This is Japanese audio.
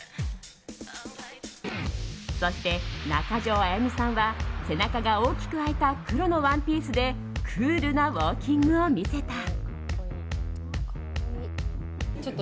そして中条あやみさんは背中が大きく開いた黒のワンピースでクールなウォーキングを見せた。